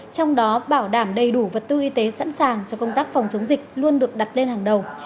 trong đó bảo đảm đầy đủ vật tư y tế sẵn sàng cho công tác phòng chống dịch luôn được đặt lên hàng đầu